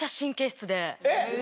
えっ？